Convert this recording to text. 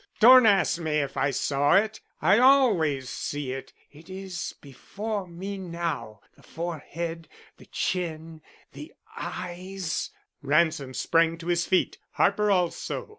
Don't ask me if I saw it. I always see it; it is before me now, the forehead the chin the eyes " Ransom sprang to his feet, Harper also.